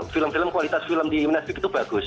film film kualitas di netflix itu bagus